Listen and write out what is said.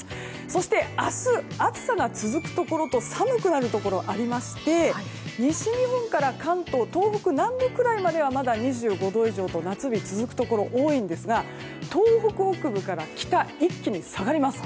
そして明日、暑さが続くところと寒くなるところがありまして西日本から関東、東北南部ぐらいまではまだ２５度以上と、夏日が続くところが多いんですが東北北部から北一気に下がります。